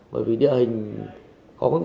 bởi vì địa hình